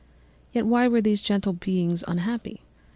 Yet why were these gentle beings unhappy?